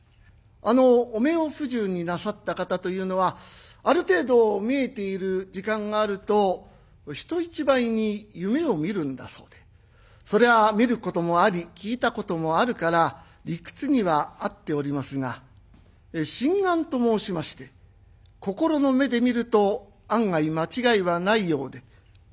あのお目を不自由になさった方というのはある程度見えている時間があると人一倍に夢を見るんだそうでそりゃ見ることもあり聞いたこともあるから理屈には合っておりますが「心眼」と申しまして心の眼で見ると案外間違いはないようで。